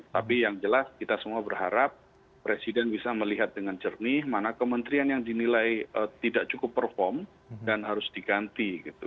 tapi yang jelas kita semua berharap presiden bisa melihat dengan jernih mana kementerian yang dinilai tidak cukup perform dan harus diganti gitu